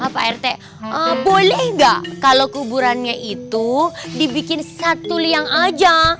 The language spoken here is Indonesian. pak rt boleh nggak kalau kuburannya itu dibikin satu liang aja